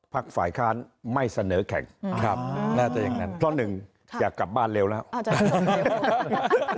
ฝ่ายค้านไม่เสนอแข่งครับน่าจะอย่างนั้นเพราะหนึ่งอยากกลับบ้านเร็วแล้ว